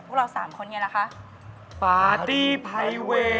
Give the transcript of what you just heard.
คุกกี้